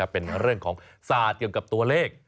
เป็นเรื่องของศาสตร์เกี่ยวกับตัวเลข